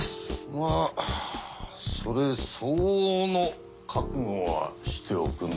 まっそれ相応の覚悟はしておくんだね。